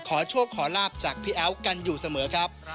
ขอโชคขอลาบจากพี่แอ๋วกันอยู่เสมอครับ